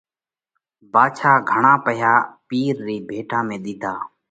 ڀاڌشا گھڻا پئِيها پِير رِي ڀيٽا ۾ ۮِيڌا۔